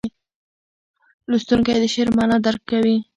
لوستونکی د شعر معنا درک کوي.